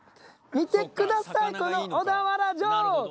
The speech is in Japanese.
見てください、この小田原城。